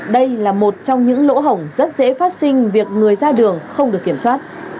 đây là một trong những lỗ hổng rất dễ phát sinh việc người ra đường không được kiểm soát